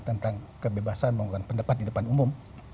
tentang kebebasan menggunakan pendapat di depan umum